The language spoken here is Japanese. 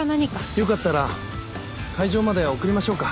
よかったら会場まで送りましょうか？